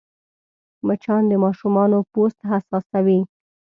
مچان د ماشومانو پوست حساسوې